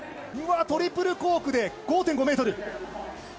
トリプルコークで５．５ｍ。